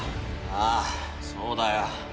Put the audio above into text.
ああそうだよ。